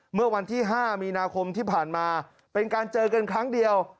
เมื่อวันที่๕มีนาคมที่ผ่านมาเป็นการเจอกันครั้งเดียว